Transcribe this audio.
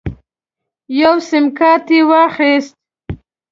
یو سیم کارت یې واخیست.